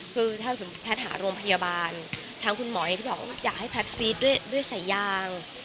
คือถ้าสมมุติแพทย์หาโรงพยาบาลทางคุณหมออย่างที่บอกว่าอยากให้แพทย์ฟีดด้วยสายยาง